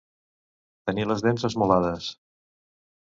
Tenir les dents esmolades.